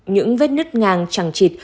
những vết nứt ngang chẳng chịt